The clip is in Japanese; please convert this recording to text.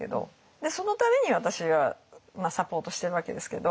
そのために私はサポートしてるわけですけど。